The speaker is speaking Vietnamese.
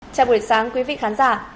chào buổi sáng quý vị khán giả